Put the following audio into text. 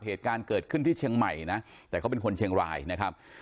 เหตุการณ์เกิดขึ้นที่เชียงใหม่นะแต่เขาเป็นคนเชียงรายนะครับ